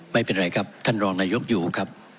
ไม่เป็นไรครับท่านรองนายกอยู่ครับ